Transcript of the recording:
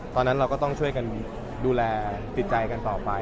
ตอนนั้นเราก็ต้องช่วยกันดูแลจิตใจกันต่อไป